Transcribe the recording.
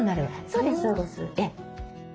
そうですそうです。